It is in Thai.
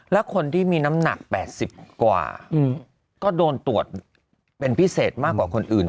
และคนที่มีน้ำหนัก๘๐กว่าก็โดนตรวจเป็นพิเศษมากกว่าคนอื่น